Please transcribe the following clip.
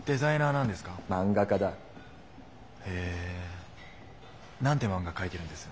何て漫画描いてるんです？